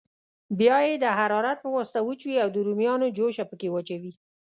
بیا یې د حرارت په واسطه وچوي او د رومیانو جوشه پکې اچوي.